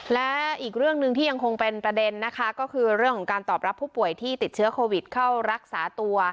และอีกเรื่องหนึ่งที่ยังคงเป็นประเด็นนะคะก็คือเรื่องของการตอบรับผู้ป่วยที่ติดเชื้อโควิดเข้ารักษาตัว